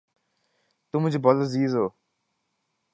تم مجھے بہت عزیز ہو